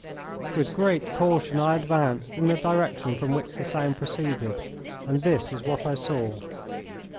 With great caution I advanced in the direction from which the sound proceeded, and this is what I saw.